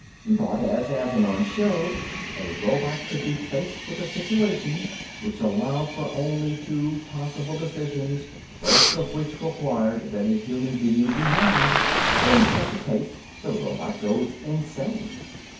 But, as Asenion showed, a robot could be faced with a situation which allowed for only two possible decisions, both of which required that a human being be harmed. In such a case, the robot goes insane.